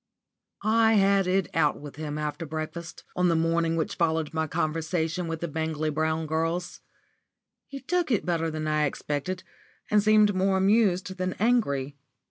*_ I had it out with him after breakfast, on the morning which followed my conversation with the Bangley Brown girls. He took it better than I expected, and seemed more amused than angry.